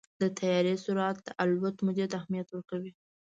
د طیارې سرعت د الوت مودې ته اهمیت ورکوي.